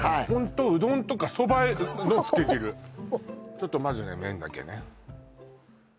ホントうどんとかそばのつけ汁ちょっとまずね麺だけね